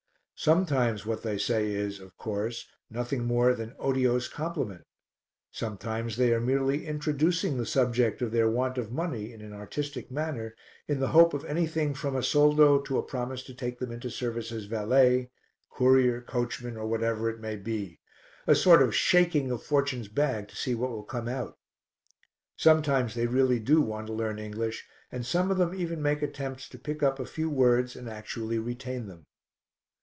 Sometimes what they say is, of course, nothing more than otiose compliment; sometimes they are merely introducing the subject of their want of money in an artistic manner in the hope of anything from a soldo to a promise to take them into service as valet, courier, coachman, or whatever it may be a sort of shaking of Fortune's bag to see what will come out. Sometimes they really do want to learn English and some of them even make attempts to pick up a few words and actually retain them.